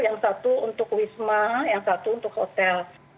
yang satu untuk wisma yang satu untuk hotel